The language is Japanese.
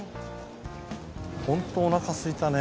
本当おなかすいたね。